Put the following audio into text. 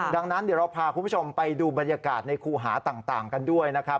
ดังนั้นเดี๋ยวเราพาคุณผู้ชมไปดูบรรยากาศในครูหาต่างกันด้วยนะครับ